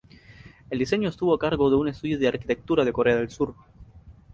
El diseño estuvo a cargo de un estudio de arquitectura de Corea del Sur.